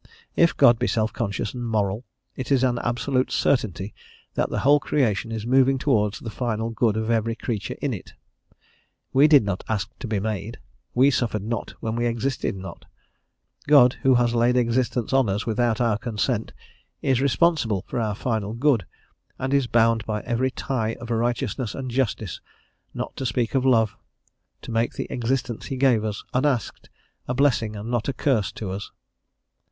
If God be self conscious and moral, it is an absolute certainty that the whole creation is moving towards the final good of every creature in it. We did not ask to be made; we suffered not when we existed not; God, who has laid existence on us without our consent, is responsible for our final good, and is bound by every tie of righteousness and justice, not to speak of love, to make the existence he gave us, unasked, a blessing and not a curse to us.